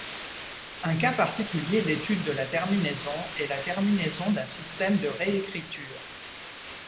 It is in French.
Un cas particulier d'étude de la terminaison est la terminaison d'un système de réécriture.